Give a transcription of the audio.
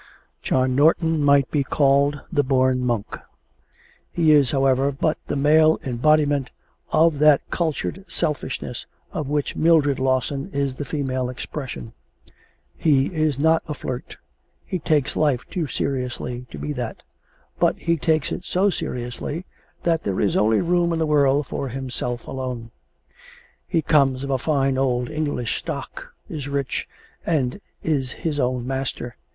John Norton might be called the born monk. He is, however, but the male embodiment of that cultured selfishness of which Mildred Lawson is the female expression. He is not a flirt. He takes life too seriously to be that; but he takes it so seriously that there is only room in the world for himself alone. He comes of a fine old English stock, is rich, and is his own master.